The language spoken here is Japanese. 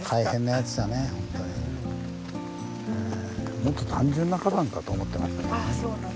もっと単純な火山かと思ってましたけどね。